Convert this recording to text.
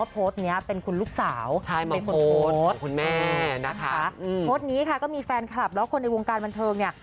โพสต์นี้ก็มีแฟนคลับแล้วคนในวงการบันเทิงเนี่ย